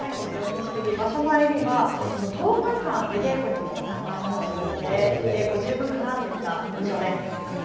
錦木、場所前には１０日間、出稽古にも参加したそうで、稽古、十分かなといった印象です。